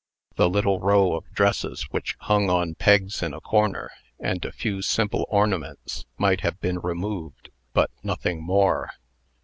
The little row of dresses which hung on pegs in a corner, and a few simple ornaments, might have been removed, but nothing more.